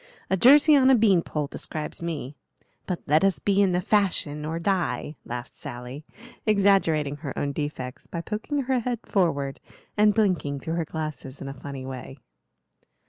'A jersey on a bean pole' describes me; but let us be in the fashion or die," laughed Sally, exaggerating her own defects by poking her head forward and blinking through her glasses in a funny way.